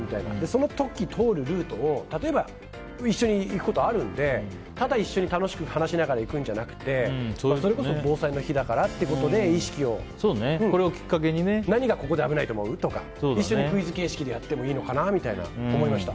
その時、通るルートを例えば一緒に行くこともあるのでただ一緒に楽しく話しながら行くんじゃなくてそれこそ防災の日だからってことで意識を持って何がここで危ないと思う？とか一緒にクイズ形式でやってもいいのかなみたいな思いました。